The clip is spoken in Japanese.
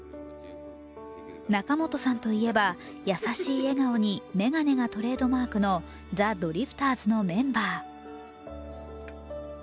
仲本さんといえば、優しい笑顔に眼鏡がトレードマークのザ・ドリフターズのメンバー。